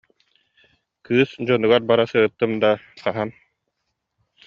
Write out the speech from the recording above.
Кыыс дьонугар бара сырыттым даа, хаһан